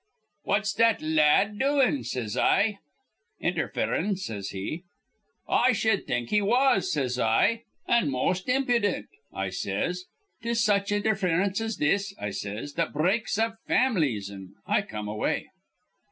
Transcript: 'What's that la ad doin'?' says I. 'Interferin',' says he. 'I shud think he was,' says I, 'an' most impudent,' I says. ''Tis such interference as this,' I says, 'that breaks up fam'lies'; an' I come away.